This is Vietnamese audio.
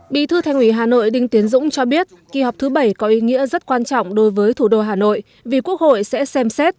bí thư thành ủy hà nội đinh tiến dũng cho biết kỳ họp thứ bảy có ý nghĩa rất quan trọng đối với thủ đô hà nội vì quốc hội sẽ xem xét